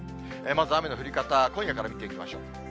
まず雨の降り方、今夜から見ていきましょう。